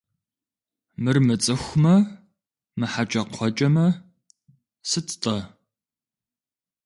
Мыр мыцӀыхумэ, мыхьэкӀэкхъуэкӀэмэ, сыт–тӀэ?